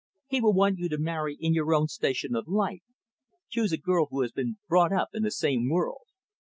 He will want you to marry in your own station of life, choose a girl who has been brought up in the same world."